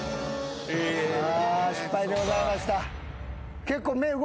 失敗でございました。